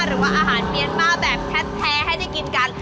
หรือว่าอาหารเมียนมาแบบแท้ให้ได้กินกัน